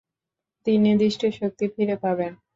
তিনি দৃষ্টিশক্তি ফিরে পাবেন।